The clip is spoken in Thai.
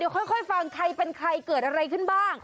ค่อยฟังใครเป็นใครเกิดอะไรขึ้นบ้าง